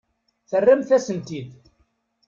Terramt-as-ten-id.